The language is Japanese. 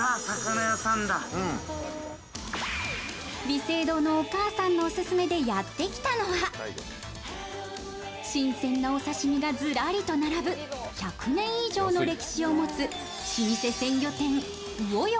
美声堂のお母さんのオススメでやってきたのは新鮮なお刺身がずらりと並ぶ１００年以上の歴史を持つ老舗鮮魚店・魚要。